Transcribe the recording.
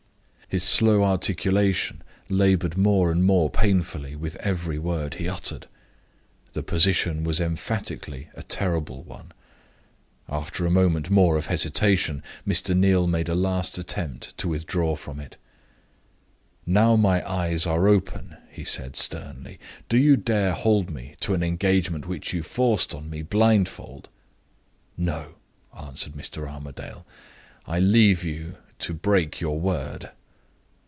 His slow articulation labored more and more painfully with every word he uttered. The position was emphatically a terrible one. After a moment more of hesitation, Mr. Neal made a last attempt to withdraw from it. "Now my eyes are open," he said, sternly, "do you dare hold me to an engagement which you forced on me blindfold?" "No," answered Mr. Armadale. "I leave you to break your word."